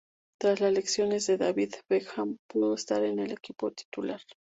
Tras las lesiones de David Beckham pudo estar en el equipo titular.